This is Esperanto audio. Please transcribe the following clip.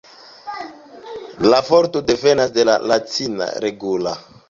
La vorto devenas de la latina "regula".